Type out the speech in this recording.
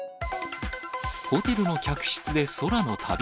ホテルの客室で空の旅。